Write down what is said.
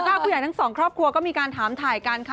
ส่วนค่าคุยกันทั้ง๒ครอบครัวก็มีการตามถ่ายกันค่ะ